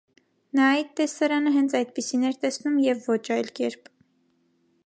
Նա այդ տեսարանը հենց այդպիսին էր տեսնում և ոչ այլ կերպ։